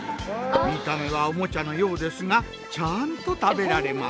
見た目はオモチャのようですがちゃんと食べられます。